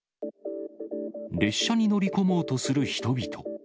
列車に乗り込もうとする人々。